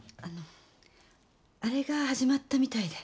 あれが始まったみたいで。